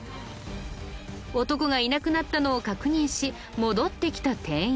男がいなくなったのを確認し戻ってきた店員。